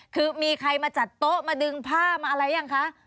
คือมีใครมาจัดโต๊ะมาดึงผ้ามาอะไรยังคะ